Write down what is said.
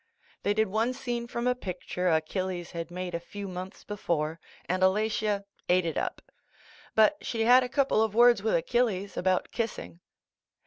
They did one scene from a picture Achil les had made a few months before, and Ala tia ate it up. But she had a couple of words with Achilles about kissing.